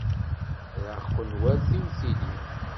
Riɣ-ken war tiwtilin.